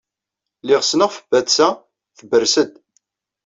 Lliɣ ssneɣ f batta tberrsed.